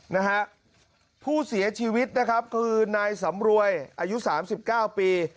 นะฮะผู้เสียชีวิตนะครับคือนายสำรวยอายุ๓๙ปี